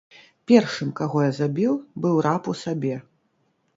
Першым, каго я забіў, быў раб у сабе.